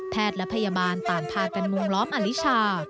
แพทย์และพยาบาลต่างผ่านกันมุมล้อมอลิชา